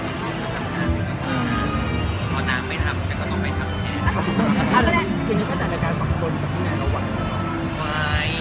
คุณคิดว่าสรรคาสองคนจะเป็นไงเราหวังเหรอ